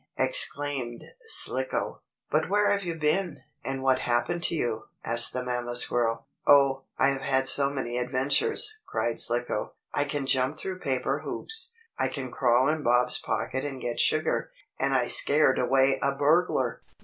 exclaimed Slicko. "But where have you been and what happened to you?" asked the mamma squirrel. "Oh, I have had so many adventures!" cried Slicko. "I can jump through paper hoops, I can crawl in Bob's pocket and get sugar, and I scared away a burglar!"